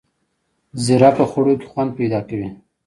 زیره په خوړو کې خوند پیدا کوي